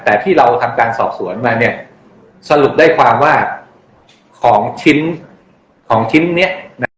แต่ที่เราทำการสอบสวนมาสรุปได้ความว่าของชิ้นนี้